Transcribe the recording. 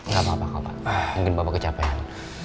gak apa apa mungkin bapak kecapean